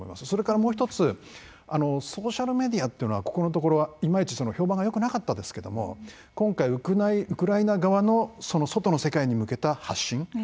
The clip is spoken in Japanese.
それからもう一つソーシャルメディアというのはここのところいまいち評判がよくなかったですけども今回ウクライナ側の外の世界に向けた発信。